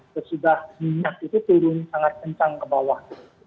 terus sudah minyak itu turun sangat kencang ke bawah